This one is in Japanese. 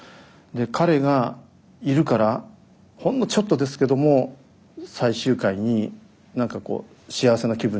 彼がいるからほんのちょっとですけども最終回に何か幸せな気分にみんながなれる。